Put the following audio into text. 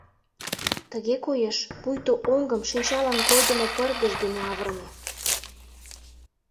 Тыге коеш, пуйто оҥгым шинчалан койдымо пырдыж дене авырыме.